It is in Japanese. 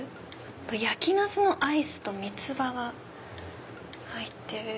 あと焼きナスのアイスとミツバが入ってる！